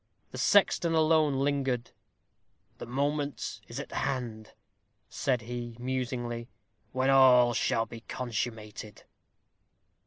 The sexton alone lingered. "The moment is at hand," said he, musingly, "when all shall be consummated."